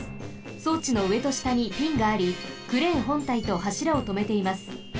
そうちのうえとしたにピンがありクレーンほんたいとはしらをとめています。